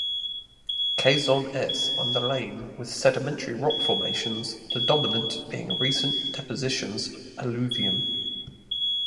Quezon s underlain with sedimentary rock formations the dominant being recent depositions of alluvium.